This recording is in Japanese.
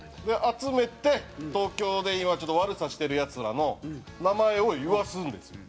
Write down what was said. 集めて東京で今悪さしてるヤツらの名前を言わすんですよ。